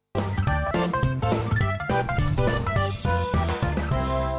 อย่างนี้ก็เปลี่ยนดีนะครับ